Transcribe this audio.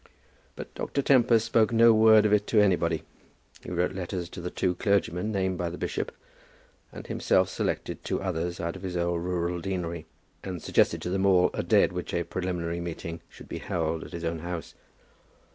But Dr. Tempest spoke no word of it to anybody. He wrote letters to the two clergymen named by the bishop, and himself selected two others out of his own rural deanery, and suggested to them all a day at which a preliminary meeting should be held at his own house.